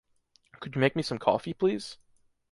Could you make me some coffee, please?